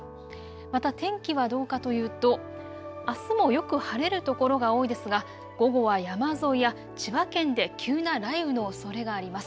また天気はどうかというとあすもよく晴れる所が多いですが午後は山沿いや千葉県で急な雷雨のおそれがあります。